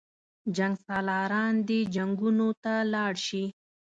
جنګسالاران دې جنګونو ته لاړ شي.